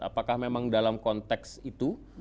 apakah memang dalam konteks itu